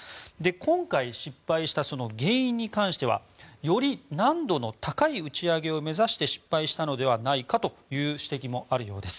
今回失敗した原因に関してはより難度の高い打ち上げを目指して失敗したのではないかという指摘もあるようです。